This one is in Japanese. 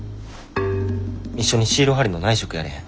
一緒にシール貼りの内職やらへん？